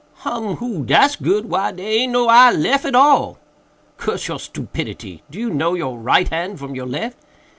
"Hum! hoo! dat's good! why dare aint no eye lef at all." "Curse your stupidity! do you know your right hand from your left?"